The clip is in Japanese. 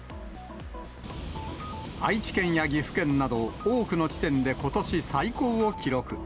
愛知県や岐阜県など、多くの地点でことし最高を記録。